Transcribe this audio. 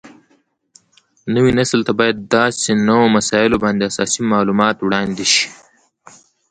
نوي نسل ته باید په داسې نوو مسایلو باندې اساسي معلومات وړاندې شي